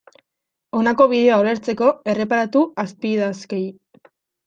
Honako bideoa ulertzeko, erreparatu azpiidazkiei.